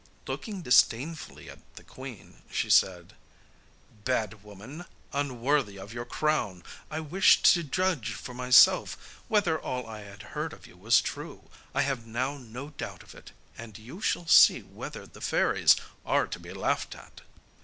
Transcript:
Looking disdainfully at the queen, she said, 'Bad woman, unworthy of your crown; I wished to judge for myself whether all I heard of you was true. I have now no doubt of it, and you shall see whether the fairies are to be laughed at.